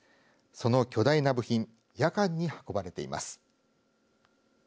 その巨大な部品夜間に運ばれています。